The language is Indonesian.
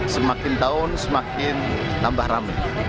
semakin tahun semakin tambah rame